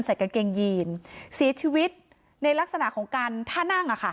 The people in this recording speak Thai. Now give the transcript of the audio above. ใส่กางเกงยีนเสียชีวิตในลักษณะของการท่านั่ง